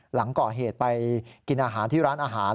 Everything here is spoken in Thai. หลังก่อเหตุไปกินอาหารที่ร้านอาหาร